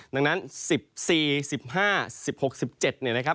ดังนั้น๑๔๑๕๑๖๑๗เนี่ยนะครับ